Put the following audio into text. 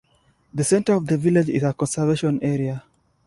The centre of the village is a conservation area.